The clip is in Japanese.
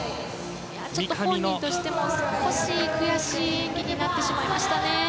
本人としても少し悔しい演技になってしまいましたね。